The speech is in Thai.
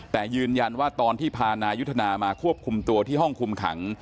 แต่ยืนยันว่าตอนที่พานายุทธนามาควบคุมตัวที่ห้องคุมขัง